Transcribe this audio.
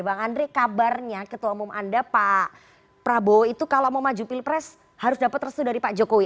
bang andre kabarnya ketua umum anda pak prabowo itu kalau mau maju pilpres harus dapat restu dari pak jokowi